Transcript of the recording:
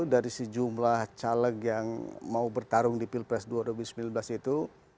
dari sejumlah caleg yang mau bertarung di pilpres dua ribu sembilan belas itu